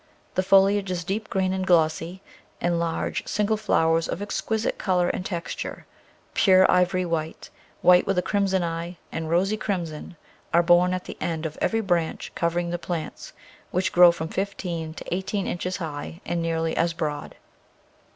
The foliage is deep green and glossy, and large single flowers of exquisite colour and texture — pure ivory white, white with a crimson eye, and rosy crim son — are borne at the end of every branch covering the plants, which grow from fifteen to eighteen inches high and nearly as broad.